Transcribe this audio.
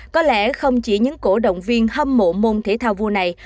có lẽ không chỉ những cổ động viên hâm mộ môn thể thao vua này